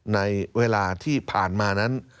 ในเวลาที่ผ่านมานั้น